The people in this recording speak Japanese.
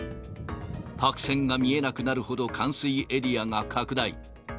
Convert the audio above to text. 白線が見えなくなるほど、冠水エリアが拡大。